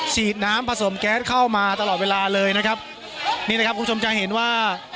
ฉีดน้ำผสมแก๊สเข้ามาตลอดเวลาเลยนะครับนี่นะครับคุณผู้ชมจะเห็นว่า